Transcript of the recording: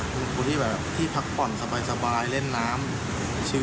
คุณครูที่แบบที่พักผ่อนสบายเล่นน้ำ